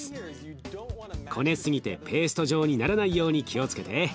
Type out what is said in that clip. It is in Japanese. こねすぎてペースト状にならないように気をつけて。